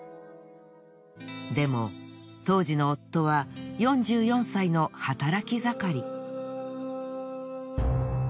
でも当時の夫は４４歳の働き盛り。